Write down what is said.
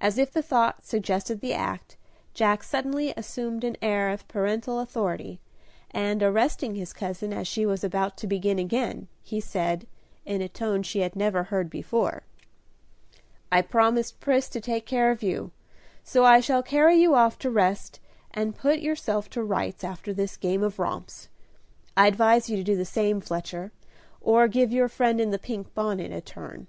As if the thought suggested the act, Jack suddenly assumed an air of paternal authority, and, arresting his cousin as she was about to begin again, he said, in a tone she had never heard before, "I promised Pris to take care of you, so I shall carry you off to rest, and put yourself to rights after this game of romps. I advise you to do the same, Fletcher, or give your friend in the pink bonnet a turn."